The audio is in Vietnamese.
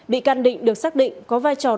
bị can định được xác định có vai trò